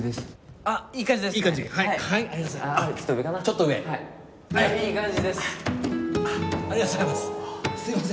ありがとうございます。